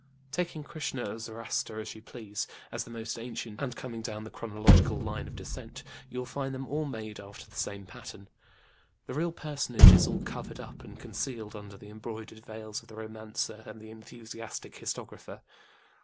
Taking KrĖĢsĖĢhnĖĢa or Zoroaster, as you please, as the most ancient, and coming down the chronological line of descent, you will find them all made after the same pattern. The real personage is all covered up and concealed under the embroidered veils of the romancer and the enthusiastic historiographer.